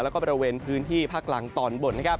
และก็บริเวณพื้นที่ภาคกลางตอนบน